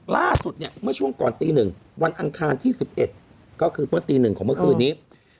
ล่าสุดเมื่อช่วงก่อนตีหนึ่งวันอังคารที่๑๑ก็คือเมื่อตีหนึ่งของเมื่อคืนนี้